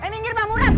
eeeh minggir bang muram